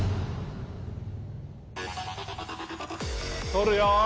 取るよ。